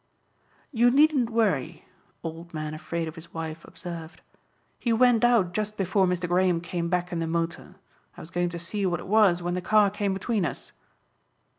"You needn't worry," Old Man Afraid of His Wife observed. "He went out just before Mr. Graham came back in the motor. I was going to see what it was when the car came between us."